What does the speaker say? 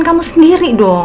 kamu harus pikirin ke siapapun